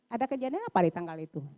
ada kejadian apa di tanggal itu